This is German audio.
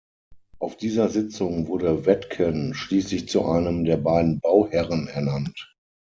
Auf dieser Sitzung wurde Wetken schließlich zu einem der beiden Bauherren ernannt.